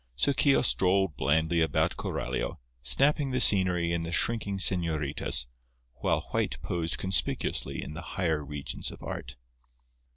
So Keogh strolled blandly about Coralio, snapping the scenery and the shrinking señoritas, while White posed conspicuously in the higher regions of art.